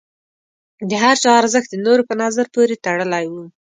د هر چا ارزښت د نورو په نظر پورې تړلی و.